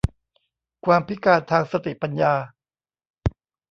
ความพิการทางสติปัญญา